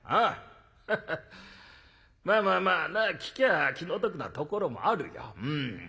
ハハッまあまあまあなあ聞きゃあ気の毒なところもあるよ。